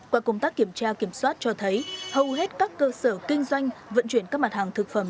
qua công tác kiểm tra kiểm soát cho thấy hầu hết các cơ sở kinh doanh vận chuyển các mặt hàng thực phẩm